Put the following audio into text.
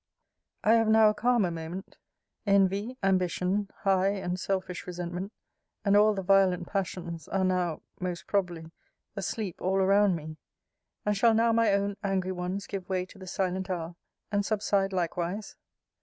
I have now a calmer moment. Envy, ambition, high and selfish resentment, and all the violent passions, are now, most probably, asleep all around me; and shall now my own angry ones give way to the silent hour, and subside likewise?